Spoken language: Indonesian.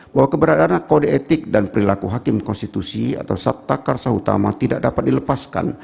bahwa keberadaan kode etik dan perilaku hakim konstitusi atau sabta karsa utama tidak dapat dilepaskan